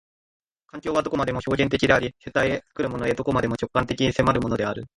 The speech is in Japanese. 環境はどこまでも表現的であり、主体へ、作るものへ、どこまでも直観的に迫るのである。